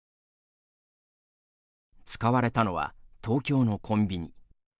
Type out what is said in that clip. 使われたのは東京のコンビニ。